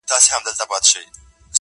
پوهېده په ښو او بدو عاقلان سوه.